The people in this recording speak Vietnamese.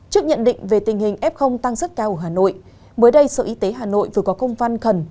trước nhận định về tình hình f tăng rất cao ở hà nội mới đây sở y tế hà nội vừa có công văn khẩn